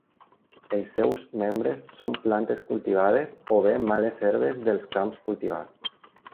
Els seus membres són plantes cultivades o bé males herbes dels camps cultivats.